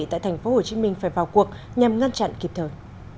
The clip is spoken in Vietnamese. tại tp hcm phải vào cuộc nhằm ngăn chặn kịp thời